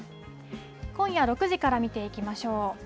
今夜６時から見ていきましょう。